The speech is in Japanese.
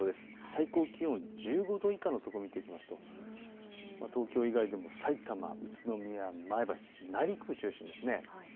最高気温１５度以下のところ見ていきますと東京以外でもさいたま、宇都宮、前橋、内陸部中心ですね。